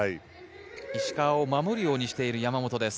石川を守るようにしている山本です。